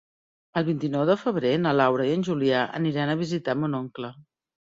El vint-i-nou de febrer na Laura i en Julià aniran a visitar mon oncle.